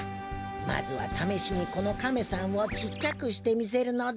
まずはためしにこのカメさんをちっちゃくしてみせるのだ。